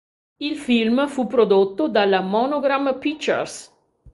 Il film fu prodotto dalla Monogram Pictures.